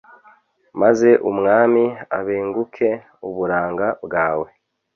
maze umwami abenguke uburanga bwawe